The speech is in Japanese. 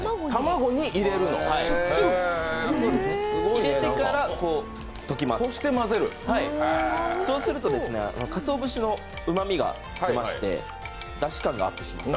入れてから溶きます、そうするとかつお節のうまみが出ましてだし感が出ます。